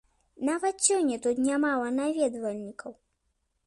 Нават сёння тут нямала наведвальнікаў.